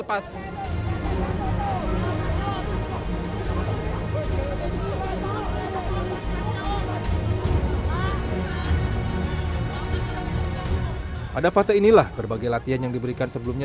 pada fase inilah berbagai latihan yang diberikan sebelumnya